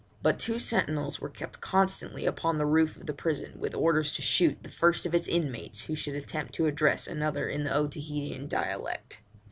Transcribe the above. But two sentinels were kept constantly upon the roof of the prison, with orders to shoot the first of its inmates who should attempt to address another in the Otaheitan dialect.